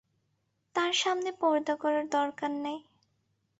তার সামনে পর্দা করার দরকার নাই।